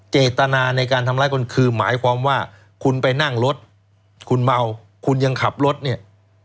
เจตนาในการทำร้ายคนคือหมายความว่าคุณไปนั่งรถคุณเมาคุณยังขับรถเนี่ย